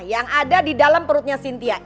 yang ada di dalam perutnya sintia